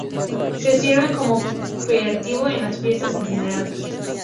Se sirven como aperitivo en las fiestas en general.